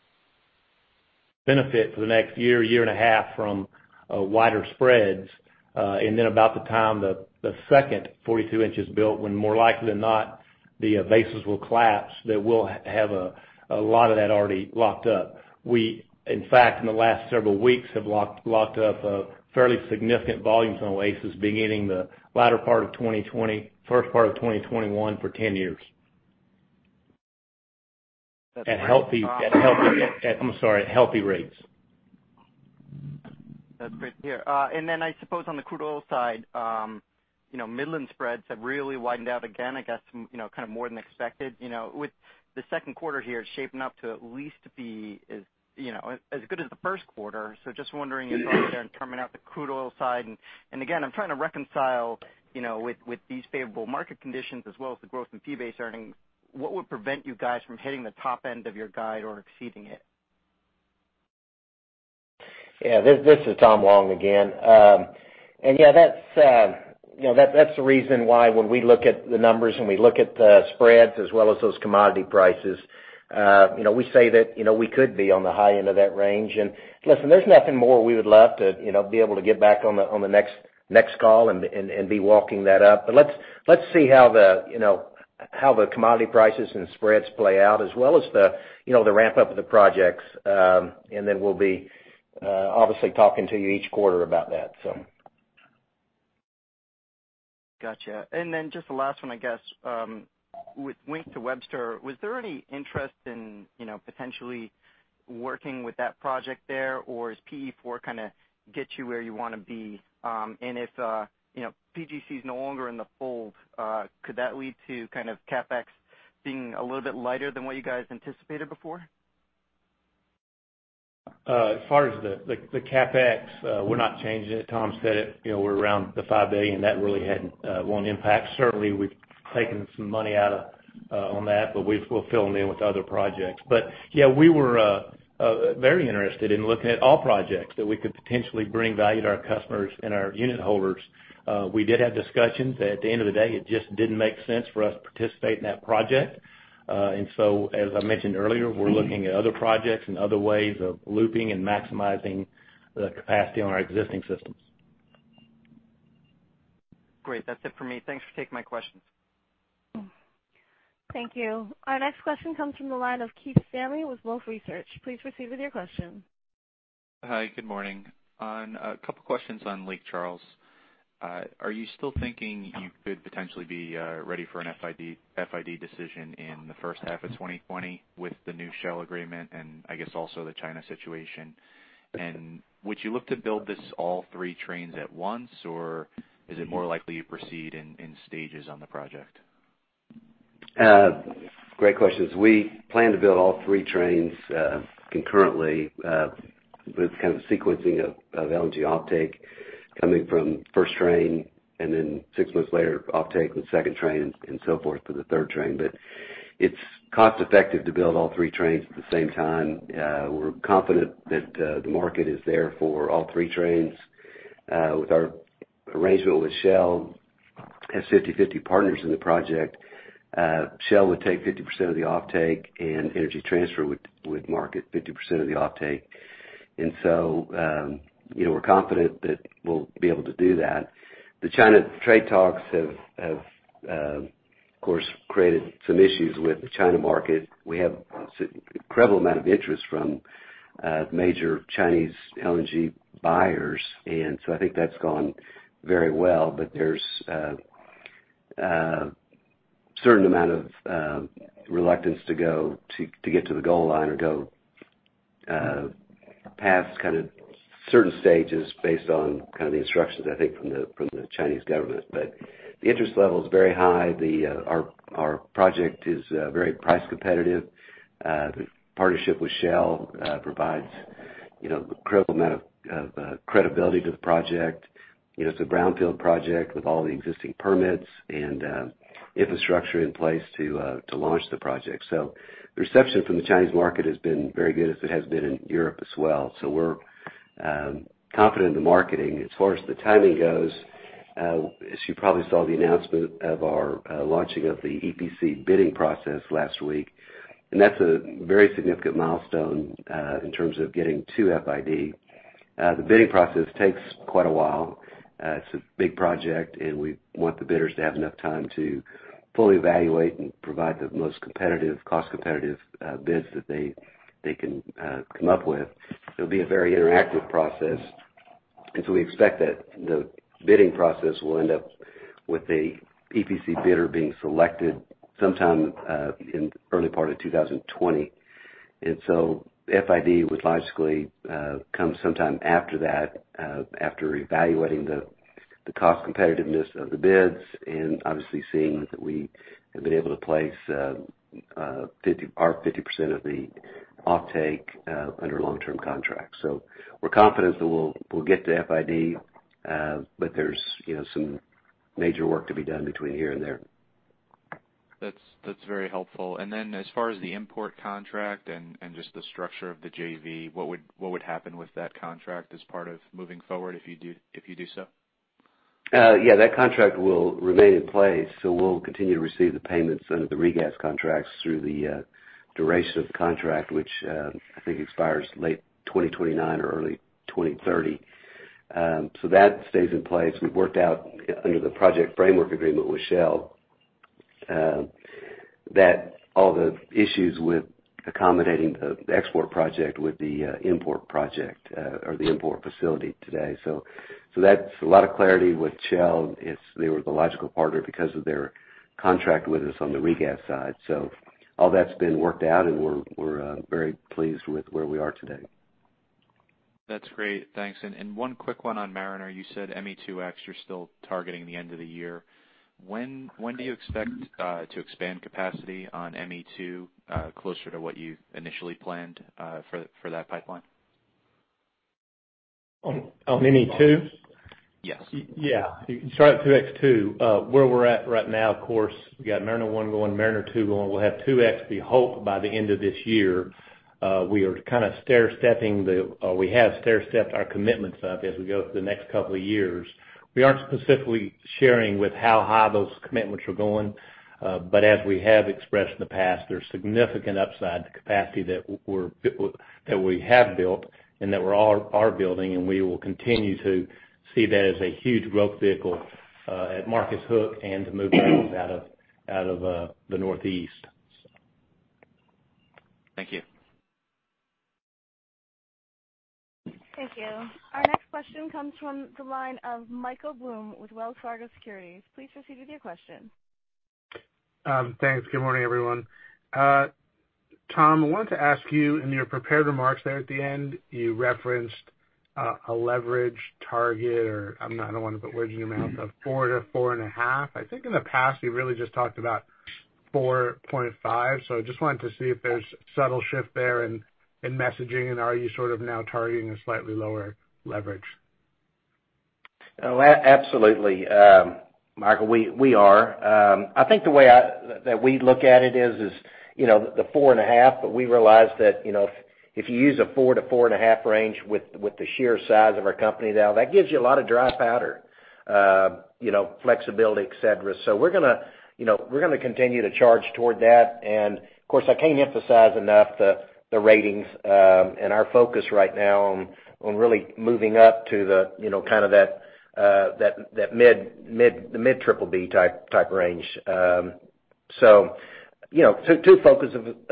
benefit for the next year and a half from wider spreads. Then about the time the second 42 inches built, when more likely than not the basis will collapse, that we'll have a lot of that already locked up. We, in fact, in the last several weeks, have locked up fairly significant volumes on Oasis beginning the latter part of 2020, first part of 2021 for 10 years. At healthy rates. That's great to hear. Then I suppose on the crude oil side, Midland spreads have really widened out again, I guess, kind of more than expected. With the second quarter here shaping up to at least be as good as the first quarter, just wondering your thoughts there in terming out the crude oil side. Again, I'm trying to reconcile with these favorable market conditions as well as the growth in fee-based earnings, what would prevent you guys from hitting the top end of your guide or exceeding it? This is Tom Long again. Yeah, that's the reason why when we look at the numbers and we look at the spreads as well as those commodity prices, we say that we could be on the high end of that range. Listen, there's nothing more we would love to be able to get back on the next call and be walking that up. Let's see how the commodity prices and spreads play out as well as the ramp-up of the projects, then we'll be obviously talking to you each quarter about that. Gotcha. Just the last one, I guess. With Wink to Webster, was there any interest in potentially working with that project there? Does PE4 kind of get you where you want to be? If PGC is no longer in the fold, could that lead to kind of CapEx being a little bit lighter than what you guys anticipated before? As far as the CapEx, we're not changing it. Tom said it, we're around the $5 billion. That really won't impact. Certainly, we've taken some money out on that, but we'll fill them in with other projects. Yeah, we were very interested in looking at all projects that we could potentially bring value to our customers and our unitholders. We did have discussions, but at the end of the day, it just didn't make sense for us to participate in that project. As I mentioned earlier, we're looking at other projects and other ways of looping and maximizing the capacity on our existing systems. Great. That's it for me. Thanks for taking my question. Thank you. Our next question comes from the line of Keith Stanley with Wolfe Research. Please proceed with your question. Hi, good morning. A couple questions on Lake Charles. Are you still thinking you could potentially be ready for an FID decision in the first half of 2020 with the new Shell agreement and, I guess, also the China situation? Would you look to build this all three trains at once, or is it more likely you proceed in stages on the project? Great questions. We plan to build all three trains concurrently with kind of the sequencing of LNG offtake coming from first train and then six months later, offtake with second train and so forth for the third train. It's cost effective to build all three trains at the same time. We're confident that the market is there for all three trains. With our arrangement with Shell as 50/50 partners in the project, Shell would take 50% of the offtake and Energy Transfer would market 50% of the offtake. We're confident that we'll be able to do that. The China trade talks have, of course, created some issues with the China market. We have an incredible amount of interest from major Chinese LNG buyers. I think that's gone very well, but there's a certain amount of reluctance to get to the goal line or go past certain stages based on the instructions, I think, from the Chinese government. The interest level is very high. Our project is very price competitive. The partnership with Shell provides an incredible amount of credibility to the project. It's a brownfield project with all the existing permits and infrastructure in place to launch the project. The reception from the Chinese market has been very good, as it has been in Europe as well. We're confident in the marketing. As far as the timing goes, as you probably saw the announcement of our launching of the EPC bidding process last week. That's a very significant milestone in terms of getting to FID. The bidding process takes quite a while. It's a big project. We want the bidders to have enough time to fully evaluate and provide the most cost-competitive bids that they can come up with. It'll be a very interactive process. We expect that the bidding process will end up with the EPC bidder being selected sometime in early part of 2020. FID would logically come sometime after that, after evaluating the cost competitiveness of the bids and obviously seeing that we have been able to place our 50% of the offtake under a long-term contract. We're confident that we'll get to FID, but there's some major work to be done between here and there. That's very helpful. As far as the import contract and just the structure of the JV, what would happen with that contract as part of moving forward if you do so? That contract will remain in place. We'll continue to receive the payments under the regas contracts through the duration of the contract, which I think expires late 2029 or early 2030. That stays in place. We've worked out under the project framework agreement with Shell that all the issues with accommodating the export project with the import project or the import facility today. That's a lot of clarity with Shell. They were the logical partner because of their contract with us on the regas side. All that's been worked out, and we're very pleased with where we are today. That's great. Thanks. One quick one on Mariner. You said ME2X, you're still targeting the end of the year. When do you expect to expand capacity on ME2 closer to what you initially planned for that pipeline? On ME2? Yes. Yeah. You can start at 2X too. Where we're at right now, of course, we got Mariner One going, Mariner Two going. We'll have 2X, we hope, by the end of this year. We have stair-stepped our commitments up as we go through the next couple of years. We aren't specifically sharing with how high those commitments are going. As we have expressed in the past, there's significant upside to capacity that we have built and that we are building, and we will continue to see that as a huge growth vehicle at Marcus Hook and to move volumes out of the Northeast. Thank you. Thank you. Our next question comes from the line of Michael Blum with Wells Fargo Securities. Please proceed with your question. Thanks. Good morning, everyone. Tom, I wanted to ask you, in your prepared remarks there at the end, you referenced a leverage target, or I don't want to put words in your mouth, of four to four and a half. I think in the past, you really just talked about 4.5. I just wanted to see if there's a subtle shift there in messaging, and are you sort of now targeting a slightly lower leverage? Absolutely. Michael, we are. I think the way that we look at it is the four and a half, but we realize that if you use a four to four and a half range with the sheer size of our company now, that gives you a lot of dry powder, flexibility, et cetera. We're going to continue to charge toward that. Of course, I can't emphasize enough the ratings and our focus right now on really moving up to the mid BBB type range. Two focus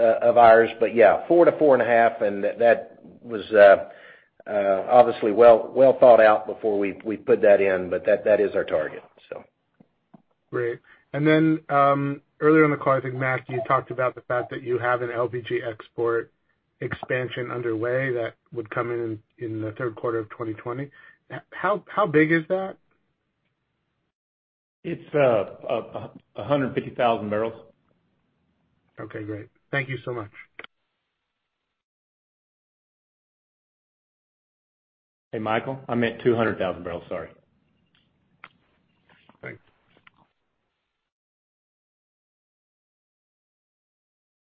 of ours, but yeah, 4 to 4.5. That was obviously well thought out before we put that in, but that is our target. Great. Earlier in the call, I think Mackie, you talked about the fact that you have an LPG export expansion underway that would come in in the third quarter of 2020. How big is that? It's 150,000 barrels. Okay, great. Thank you so much. Hey, Michael, I meant 200,000 barrels, sorry. Great.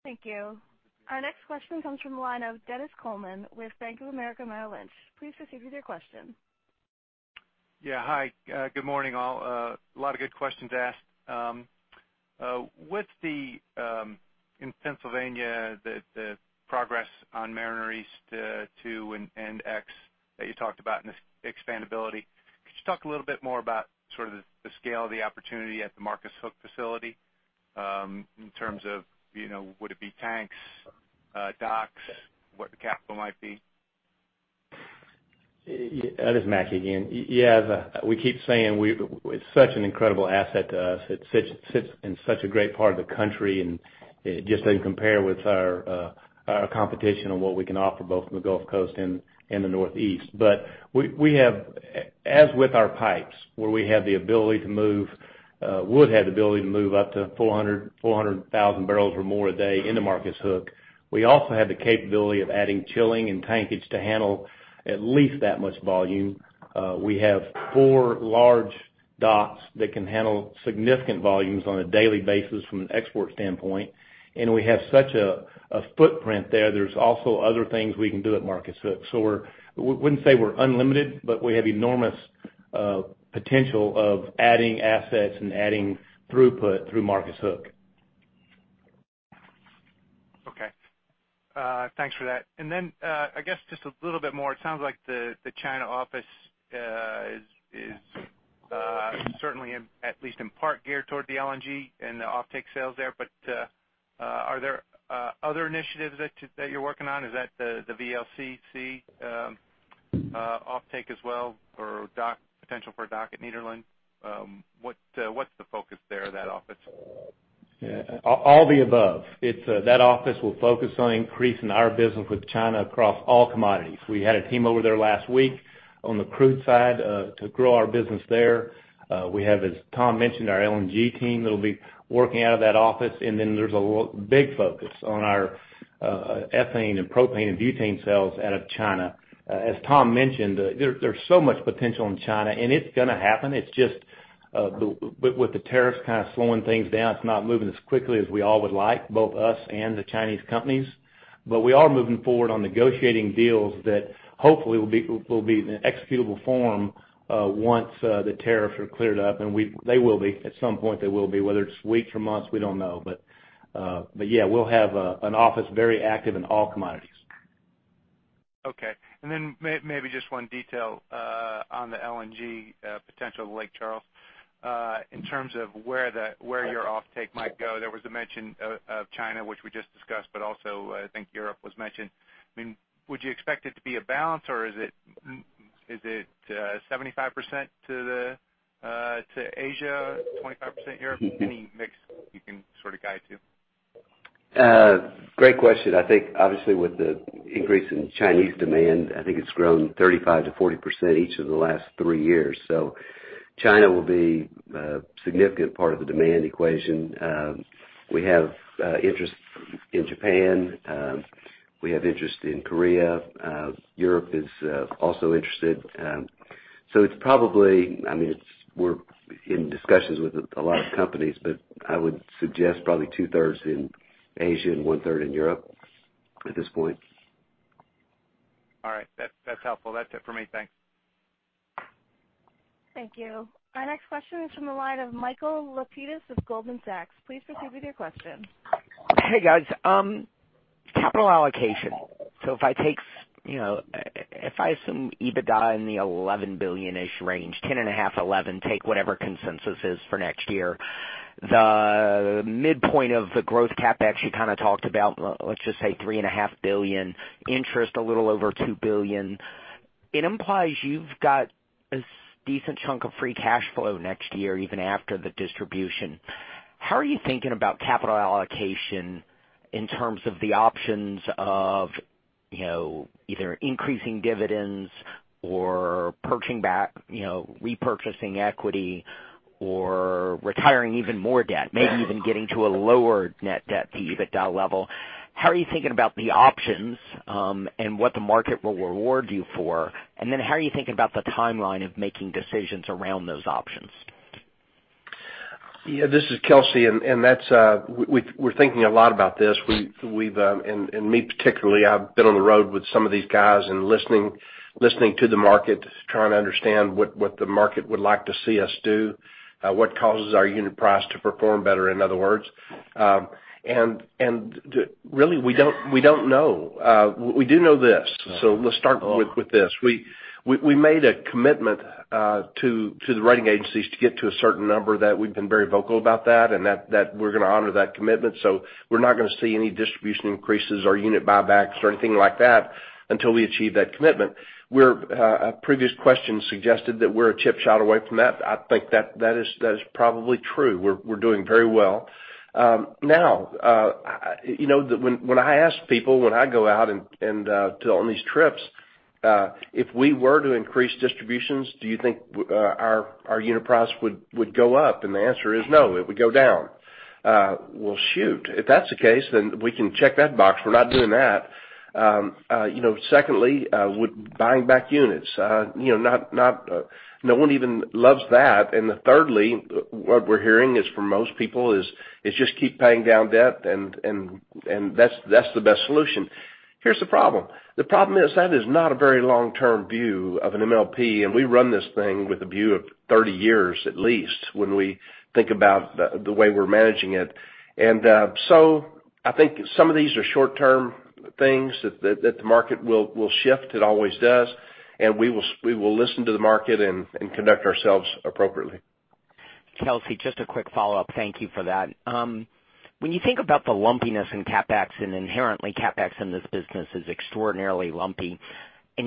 Thank you. Our next question comes from the line of Dennis Coleman with Bank of America Merrill Lynch. Please proceed with your question. Hi, good morning, all. A lot of good questions asked. In Pennsylvania, the progress on Mariner East 2 and 2X that you talked about, and its expandability. Could you talk a little bit more about sort of the scale of the opportunity at the Marcus Hook facility, in terms of would it be tanks, docks, what the capital might be? This is Matt again. As we keep saying, it's such an incredible asset to us. It sits in such a great part of the country. It just doesn't compare with our competition on what we can offer both from the Gulf Coast and the Northeast. We have, as with our pipes, would have the ability to move up to 400,000 barrels or more a day into Marcus Hook. We also have the capability of adding chilling and tankage to handle at least that much volume. We have four large docks that can handle significant volumes on a daily basis from an export standpoint. We have such a footprint there. There's also other things we can do at Marcus Hook. We wouldn't say we're unlimited, but we have enormous potential of adding assets and adding throughput through Marcus Hook. Okay. Thanks for that. I guess just a little bit more, it sounds like the China office is certainly at least in part geared toward the LNG and the offtake sales there. Are there other initiatives that you're working on? Is that the VLCC offtake as well, or potential for a dock at Nederland? What's the focus there of that office? All the above. That office will focus on increasing our business with China across all commodities. We had a team over there last week on the crude side to grow our business there. We have, as Tom mentioned, our LNG team that'll be working out of that office. There's a big focus on our ethane and propane and butane sales out of China. As Tom mentioned, there's so much potential in China. It's going to happen. It's just with the tariffs kind of slowing things down, it's not moving as quickly as we all would like, both us and the Chinese companies. We are moving forward on negotiating deals that hopefully will be in an executable form once the tariffs are cleared up. They will be. At some point, they will be. Whether it's weeks or months, we don't know. we'll have an office very active in all commodities. Okay. Maybe just one detail on the LNG potential of Lake Charles. In terms of where your offtake might go, there was a mention of China, which we just discussed, also, I think Europe was mentioned. Would you expect it to be a balance, or is it 75% to Asia, 25% Europe? Any mix you can sort of guide to? Great question. I think obviously with the increase in Chinese demand, I think it's grown 35%-40% each of the last three years. China will be a significant part of the demand equation. We have interest in Japan. We have interest in Korea. Europe is also interested. It's, I mean, we're in discussions with a lot of companies, but I would suggest probably two-thirds in Asia and one-third in Europe at this point. All right. That's helpful. That's it for me. Thanks. Thank you. Our next question is from the line of Michael Lapides of Goldman Sachs. Please proceed with your question. Hey, guys. Capital allocation. If I assume EBITDA in the $11 billion-ish range, $10.5 billion, $11 billion, take whatever consensus is for next year, the midpoint of the growth CapEx you kind of talked about, let's just say $3.5 billion, interest, a little over $2 billion. It implies you've got a decent chunk of free cash flow next year, even after the distribution. How are you thinking about capital allocation in terms of the options of either increasing dividends or repurchasing equity or retiring even more debt, maybe even getting to a lower net debt to EBITDA level. How are you thinking about the options, and what the market will reward you for? How are you thinking about the timeline of making decisions around those options? Yeah, this is Kelcy. We're thinking a lot about this. Me particularly, I've been on the road with some of these guys and listening to the market, trying to understand what the market would like to see us do, what causes our unit price to perform better, in other words. Really, we don't know. We do know this, let's start with this. We made a commitment to the writing agencies to get to a certain number that we've been very vocal about that we're going to honor that commitment. We're not going to see any distribution increases or unit buybacks or anything like that until we achieve that commitment. A previous question suggested that we're a chip shot away from that. I think that is probably true. We're doing very well. Now, when I ask people, when I go out on these trips, "If we were to increase distributions, do you think our unit price would go up?" The answer is no. It would go down. Well, shoot, if that's the case, we can check that box. We're not doing that. Secondly, with buying back units. No one even loves that. Thirdly, what we're hearing is for most people is just keep paying down debt. That's the best solution. Here's the problem. The problem is that is not a very long-term view of an MLP, we run this thing with a view of 30 years, at least, when we think about the way we're managing it. I think some of these are short-term things that the market will shift. It always does. We will listen to the market and conduct ourselves appropriately. Kelcy, just a quick follow-up. Thank you for that. When you think about the lumpiness in CapEx, inherently CapEx in this business is extraordinarily lumpy.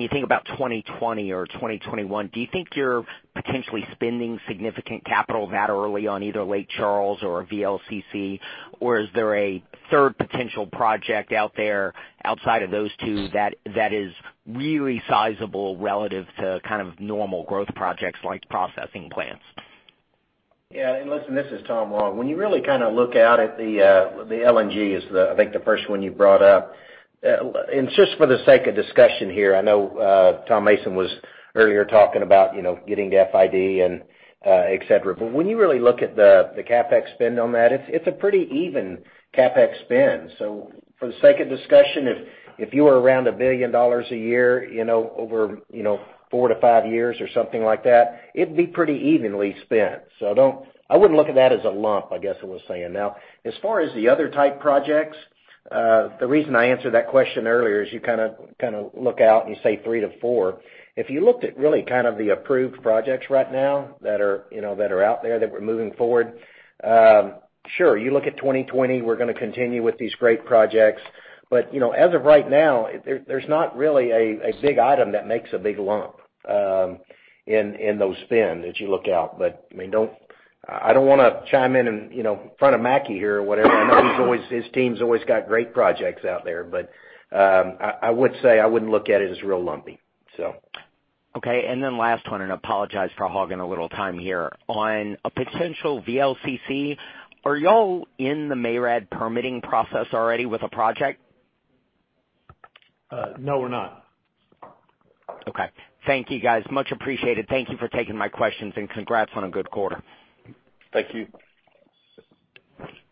You think about 2020 or 2021, do you think you're potentially spending significant capital that early on either Lake Charles or VLCC? Is there a third potential project out there outside of those two that is really sizable relative to kind of normal growth projects like processing plants? Yeah. Listen, this is Tom Long. When you really kind of look out at the LNG is I think the first one you brought up. Just for the sake of discussion here, I know Tom Mason was earlier talking about getting to FID and et cetera. When you really look at the CapEx spend on that, it's a pretty even CapEx spend. For the sake of discussion, if you were around $1 billion a year over four to five years or something like that, it'd be pretty evenly spent. I wouldn't look at that as a lump, I guess is what I'm saying. As far as the other type projects, the reason I answered that question earlier is you kind of look out and you say three to four. If you looked at really kind of the approved projects right now that are out there that we're moving forward, sure, you look at 2020, we're going to continue with these great projects. As of right now, there's not really a big item that makes a big lump in those spend as you look out. I don't want to chime in in front of Mackie here or whatever. I know his team's always got great projects out there. I would say I wouldn't look at it as real lumpy, so. Okay. Last one, and I apologize for hogging a little time here. On a potential VLCC, are you all in the MARAD permitting process already with a project? No, we're not. Okay. Thank you, guys. Much appreciated. Thank you for taking my questions, and congrats on a good quarter. Thank you.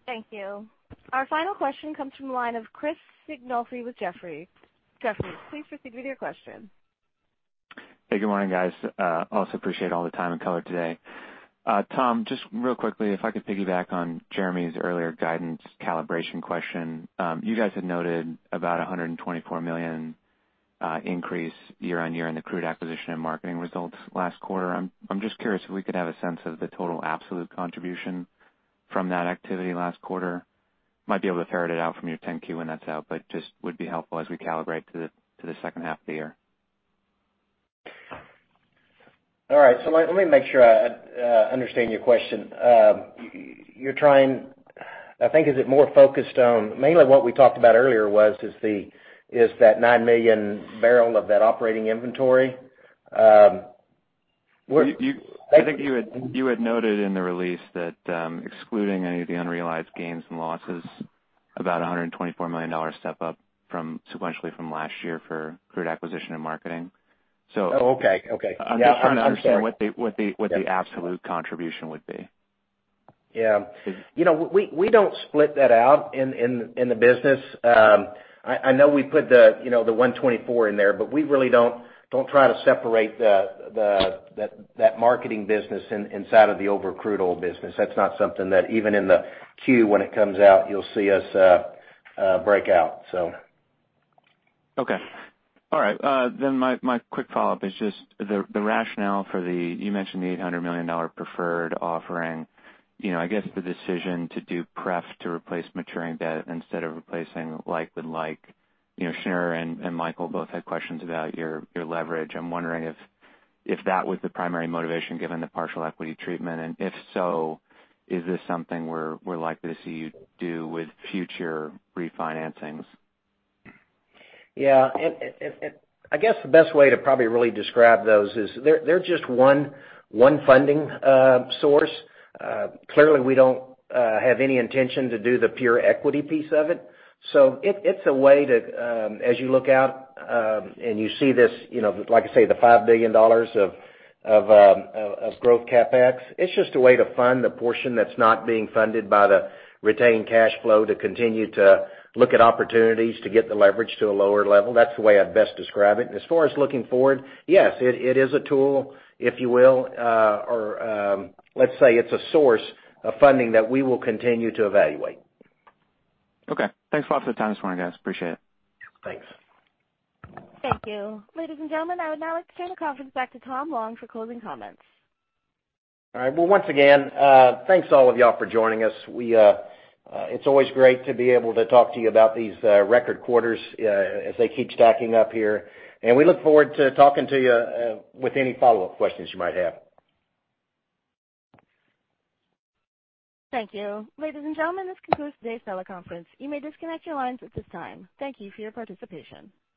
Thank you. Our final question comes from the line of Chris Sighinolfi with Jefferies. Jefferies, please proceed with your question. Hey, good morning, guys. Also appreciate all the time and color today. Tom, just real quickly, if I could piggyback on Jeremy's earlier guidance calibration question. You guys had noted about a $124 million increase year-over-year in the crude acquisition and marketing results last quarter. I'm just curious if we could have a sense of the total absolute contribution from that activity last quarter. Might be able to ferret it out from your 10-Q when that's out, but just would be helpful as we calibrate to the second half of the year. All right. Let me make sure I understand your question. I think is it mainly what we talked about earlier was is that nine million barrel of that operating inventory. I think you had noted in the release that excluding any of the unrealized gains and losses, about a $124 million step-up sequentially from last year for crude acquisition and marketing. Oh, okay. Yeah. I'm sorry. I'm just trying to understand what the absolute contribution would be. We don't split that out in the business. I know we put the $124 in there, but we really don't try to separate that marketing business inside of the overcrude oil business. That's not something that even in the 10-Q, when it comes out, you'll see us break out. Okay. All right. My quick follow-up is just the rationale for the, you mentioned the $800 million preferred offering. I guess the decision to do pref to replace maturing debt instead of replacing like with like. Shneur and Michael both had questions about your leverage. I'm wondering if that was the primary motivation given the partial equity treatment, and if so, is this something we're likely to see you do with future refinancings? I guess the best way to probably really describe those is they're just one funding source. Clearly, we don't have any intention to do the pure equity piece of it. It's a way to, as you look out and you see this, like I say, the $5 billion of growth CapEx, it's just a way to fund the portion that's not being funded by the retained cash flow to continue to look at opportunities to get the leverage to a lower level. That's the way I'd best describe it. As far as looking forward, yes, it is a tool, if you will, or let's say it's a source of funding that we will continue to evaluate. Thanks a lot for the time this morning, guys. Appreciate it. Thanks. Thank you. Ladies and gentlemen, I would now like to turn the conference back to Thomas Long for closing comments. Once again, thanks to all of you all for joining us. It's always great to be able to talk to you about these record quarters as they keep stacking up here. We look forward to talking to you with any follow-up questions you might have. Thank you. Ladies and gentlemen, this concludes today's teleconference. You may disconnect your lines at this time. Thank you for your participation.